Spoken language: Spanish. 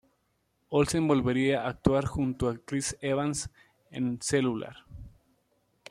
Olsen volvería a actuar junto a Chris Evans en "Cellular".